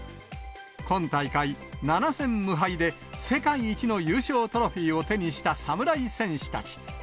今大会、７戦無敗で、世界一の優勝トロフィーを手にした侍戦士たち。